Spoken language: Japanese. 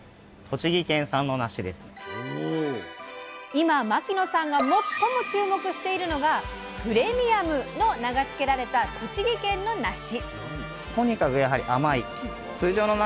今牧野さんが最も注目しているのが「プレミアム」の名が付けられた栃木県のなし。